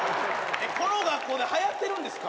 この学校ではやってるんですか？